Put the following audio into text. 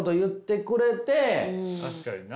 確かにな。